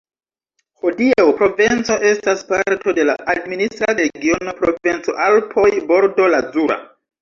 Hodiaŭ Provenco estas parto de la administra regiono Provenco-Alpoj-Bordo Lazura.